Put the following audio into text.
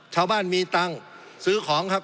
ชาวบ้านมีตังค์ซื้อของครับ